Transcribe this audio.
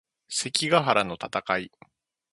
関ヶ原の戦い